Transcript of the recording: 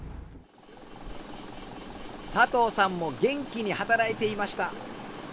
佐藤さんも元気に働いていました。